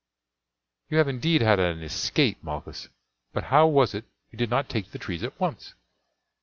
"You have indeed had an escape, Malchus; but how was it you did not take to the trees at once?"